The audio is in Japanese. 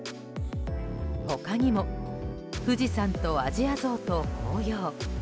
他にも富士山とアジアゾウと紅葉。